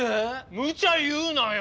むちゃ言うなよ。